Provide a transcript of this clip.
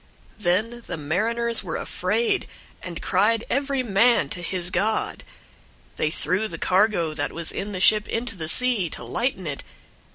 001:005 Then the mariners were afraid, and cried every man to his god. They threw the cargo that was in the ship into the sea, to lighten it.